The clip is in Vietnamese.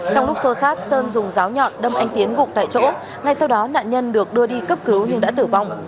trong lúc xô sát sơn dùng giáo nhọn đâm anh tiến gục tại chỗ ngay sau đó nạn nhân được đưa đi cấp cứu nhưng đã tử vong